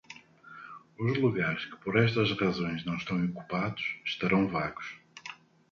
Os lugares que por estas razões não estão ocupados estarão vagos.